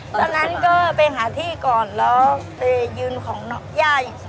ตอนนั้นก็ไปหาที่ก่อนแล้วไปยืนของย่าอีก